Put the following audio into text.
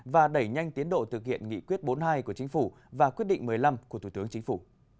và đẩy nhanh tiến độ thực hiện nghị quyết bốn mươi hai của chính phủ và quyết định một mươi năm của thủ tướng chính phủ